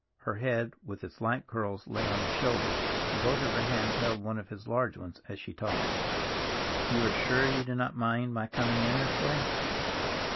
Her head, with its light curls, lay on his shoulder, and both of her hands held one of his large ones as she talked. "You are sure you do not mind my coming in this way?"